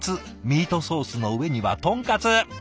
ミートソースの上には豚カツ。